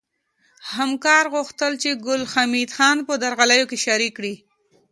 همکار غوښتل چې ګل حمید خان په درغلیو کې شریک کړي